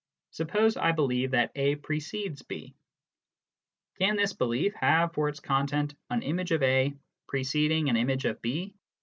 Suppose I believe that A precedes B. Can this belief have for its content an image of A preceding an image of B